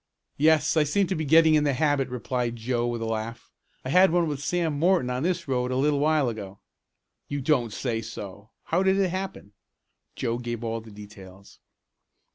"Yes. I seem to be getting the habit," replied Joe with a laugh. "I had one with Sam Morton on this road a little while ago." "You don't say so! How did it happen?" Joe gave all the details.